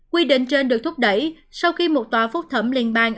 quy định trên được thúc đẩy sau khi một tòa phúc thẩm liên bang